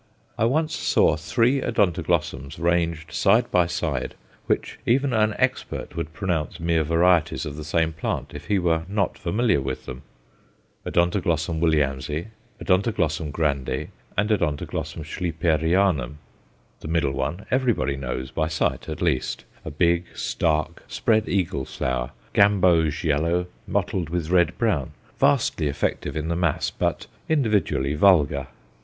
I once saw three Odontoglossums ranged side by side, which even an expert would pronounce mere varieties of the same plant if he were not familiar with them Od. Williamsi, Od. grande, and Od. Schlieperianum. The middle one everybody knows, by sight at least, a big, stark, spread eagle flower, gamboge yellow mottled with red brown, vastly effective in the mass, but individually vulgar.